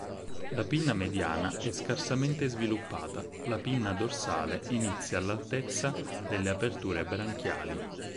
La pinna mediana è scarsamente sviluppata, la pinna dorsale inizia all'altezza delle aperture branchiali.